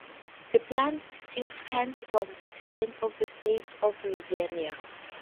The plaintiff, Hans, was a citizen of the state of Louisiana.